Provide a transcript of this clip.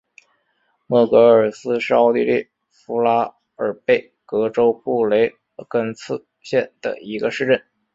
默格尔斯是奥地利福拉尔贝格州布雷根茨县的一个市镇。